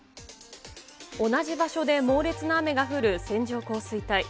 同じ場所で猛烈な雨が降る線状降水帯。